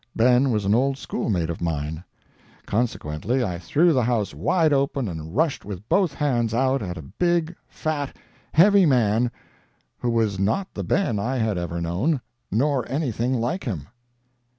Ben was an old schoolmate of mine. Consequently I threw the house wide open and rushed with both hands out at a big, fat, heavy man, who was not the Ben I had ever known—nor anything like him.